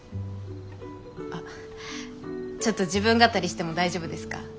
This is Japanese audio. あっちょっと自分語りしても大丈夫ですか？